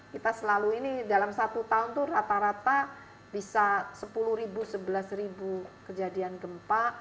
kita selalu ini dalam satu tahun itu rata rata bisa sepuluh ribu sebelas ribu kejadian gempa